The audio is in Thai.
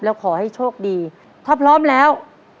แล้วขอให้โชคดีถ้าพร้อมแล้ว